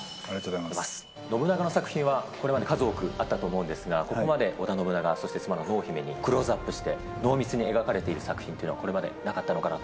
信長の作品はこれまで数多くあったと思うんですが、ここまで織田信長、そして妻の濃姫にクローズアップして、濃密に描かれている作品というのはこれまでなかったのかなと。